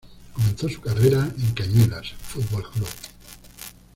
Comenzó su carrera en Cañuelas Fútbol Club.